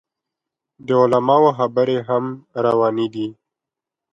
د علماو خبرې هم روانې دي.